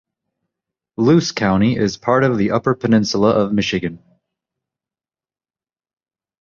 Luce County is part of the Upper Peninsula of Michigan.